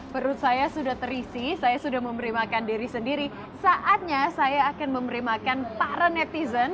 perut saya sudah terisi saya sudah memberi makan diri sendiri saatnya saya akan memberi makan para netizen